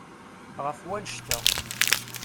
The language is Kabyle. Ɣef wannect-a.